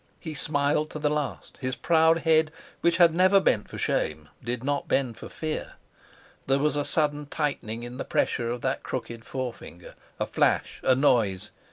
He smiled to the last; his proud head, which had never bent for shame, did not bend for fear. There was a sudden tightening in the pressure of that crooked forefinger, a flash, a noise.